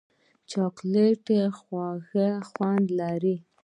چاکلېټ خوږ خوند لري.